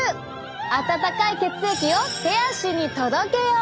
温かい血液を手足に届けよう！